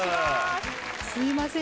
すみません